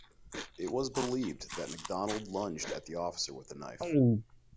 It was believed that McDonald lunged at the officer with a knife.